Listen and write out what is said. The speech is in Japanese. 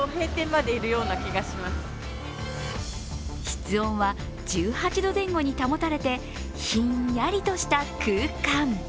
室温は、１８度前後に保たれてひんやりとした空間。